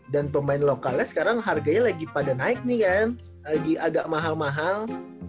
dan pemain lokalnya sekarang harganya lagi pada naik nih kan lagi agak mahal mahal